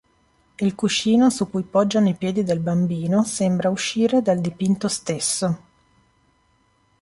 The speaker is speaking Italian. Il cuscino su cui poggiano i piedi del Bambino sembra "uscire" dal dipinto stesso.